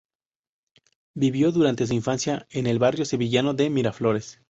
Vivió durante su infancia en el barrio sevillano de Miraflores.